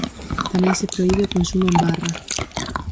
Tamén se prohibe o consumo en barra.